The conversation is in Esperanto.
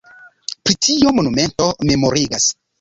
Pri tio monumento memorigas.